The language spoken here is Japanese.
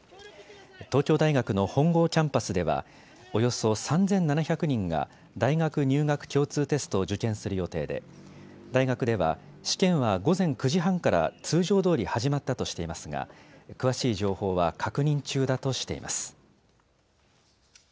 東京大学の本郷キャンパスではおよそ３７００人が大学入学共通テストを受験する予定で大学では試験は午前９時半から通常どおり始まったとしていますが詳しい情報は確認中だとしています。